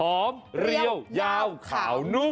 หอมเหลวยาวขาวนุ่ม